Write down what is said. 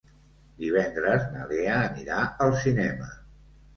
Divendres na Lena anirà al cinema.